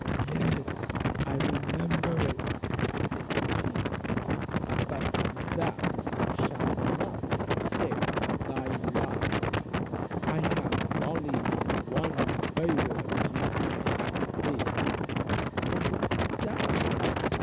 "Yes, I remember it," said the genie, "but that shall not save thy life: I have only one favour to grant thee." "And what is that?"